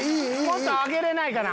もっと上げれないかな。